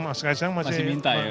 mas kaisang masih minta